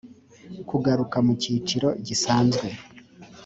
kugaruka mu cyiciro gisanzwe